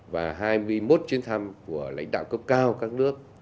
và hai mươi một chuyến thăm của lãnh đạo cấp cấp